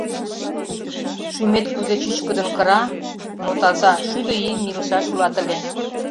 — Шӱмет кузе чӱчкыдын кыра, но таза — шӱдӧ ийым илышаш улат ыле.